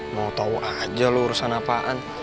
mau tau aja lo urusan apaan